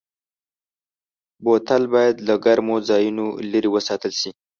بوتل باید له ګرمو ځایونو لېرې وساتل شي.